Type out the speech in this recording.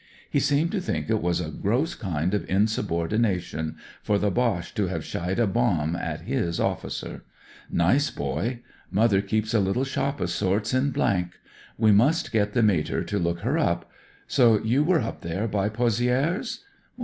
He seemed to think it was a gross kind of insubordination for the Boche to have shied a bomb at his officer. Nice boy. Mother keeps a little shop o^ sorts in . We must get the mater to look her up. So you were up there by Pozieres